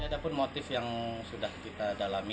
ada pun motif yang sudah kita dalami